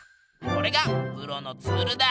これがプロのツールだ！